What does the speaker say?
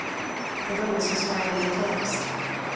The rose was fairly eclipsed.